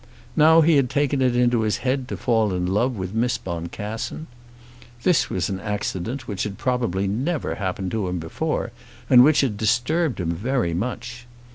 Now he had taken it into his head to fall in love with Miss Boncassen. This was an accident which had probably never happened to him before, and which had disturbed him much.